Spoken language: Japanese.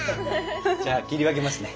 じゃあ切り分けますね。